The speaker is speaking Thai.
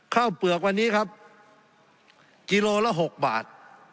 เปลือกวันนี้ครับกิโลละ๖บาท